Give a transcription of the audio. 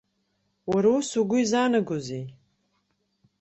Уара ус угәы изаанагазеи?